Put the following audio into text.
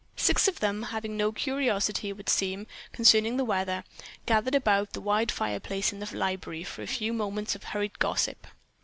Six of them, having no curiosity, it would seem, concerning the weather, gathered about the wide fireplace in the library for a few moments of hurried gossip.